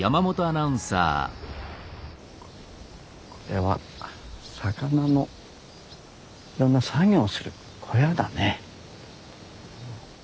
これは魚のいろんな作業をする小屋だね。